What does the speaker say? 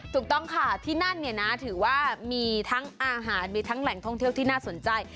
ถูกต้องค่ะที่นั่นเนี่ยนะถือว่ามีทั้งอาหารมีทั้งแหล่งท่องเที่ยวที่น่าสนใจ